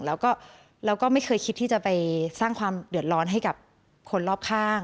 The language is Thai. แล้วก็เราก็ไม่เคยคิดที่จะไปสร้างความเดือดร้อนให้กับคนรอบข้าง